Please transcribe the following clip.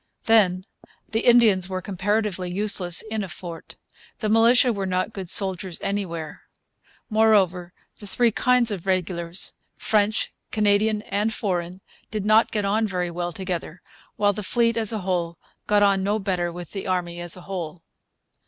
Then, the Indians were comparatively useless in a fort. The militia were not good soldiers anywhere. Moreover, the three kinds of regulars French, Canadian, and foreign did not get on very well together; while the fleet, as a whole, got on no better with the army as a whole.